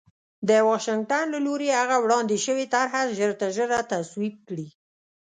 د واشنګټن له لوري هغه وړاندې شوې طرح ژرترژره تصویب کړي